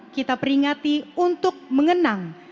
kita peringati untuk mengenang